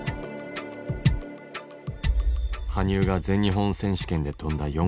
羽生が全日本選手権で跳んだ